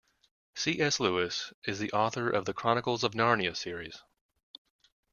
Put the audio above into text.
C.S. Lewis is the author of The Chronicles of Narnia series.